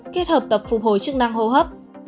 kết hợp tập phục hồi chức năng hô hấp